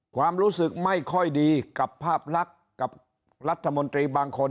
ความรู้สึกไม่ค่อยดีกับภาพลักษณ์กับรัฐมนตรีบางคน